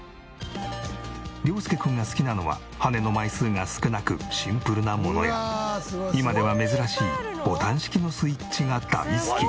涼介君が好きなのは羽根の枚数が少なくシンプルなものや今では珍しいボタン式のスイッチが大好き。